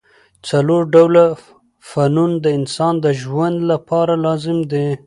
څلور ډوله فنون د انسان د ژوند له پاره لازم دي.